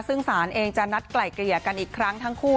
ซึ่งศาลเองจะนัดไกล่เกลี่ยกันอีกครั้งทั้งคู่